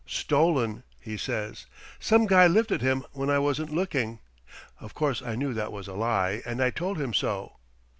'Stolen!' he says. 'Some guy lifted him when I wasn't looking.' Of course I knew that was a lie, and I told him so.